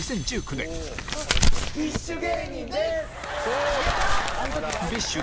ＢｉＳＨ芸人です！